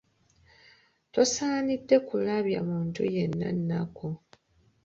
Tosaanidde kulabya muntu yenna nnaku.